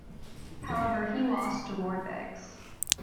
However he lost to Roy Beggs.